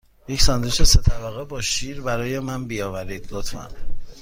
یک ساندویچ سه طبقه با شیر برای من بیاورید، لطفاً.